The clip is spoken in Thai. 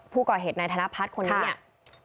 ผู้ก่อเหตุนายธนพัฒน์คนนี้เนี่ย